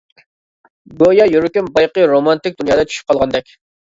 گويا يۈرىكىم بايىقى رومانتىك دۇنيادا چۈشۈپ قالغاندەك.